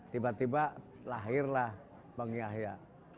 tiba tiba lahirlah bang yahya